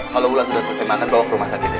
kalau wulan sudah selesai makan bawa ke rumah sakitnya